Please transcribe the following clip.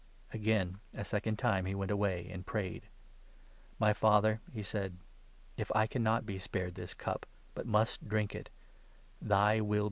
" Again, a second time, he went away, and prayed. . 42 " My Father," he said, " if I cannot be spared this cup, but must drink it, thy will be done